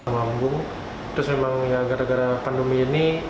lambung terus memang ya gara gara pandemi ini